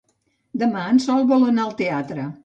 Demà en Sol vol anar al teatre.